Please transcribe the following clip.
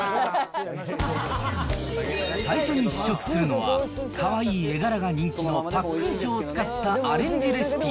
最初に試食するのは、かわいい絵柄が人気のパックンチョを使ったアレンジ。